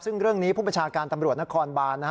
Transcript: ซึ่งเรื่องนี้ผู้บัญชาการตำรวจนครบาน